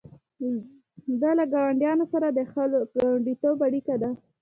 دا له ګاونډیانو سره د ښه ګاونډیتوب اړیکه ده.